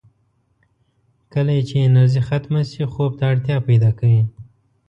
کله یې چې انرژي ختمه شي، خوب ته اړتیا پیدا کوي.